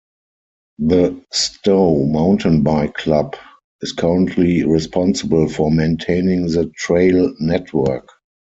The Stowe Mountain Bike Club is currently responsible for maintaining the trail network.